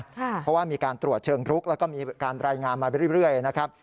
เพราะว่ามีการตรวจเชิงรุกแล้วก็มีการรายงานมาไปเรื่อยนะครับ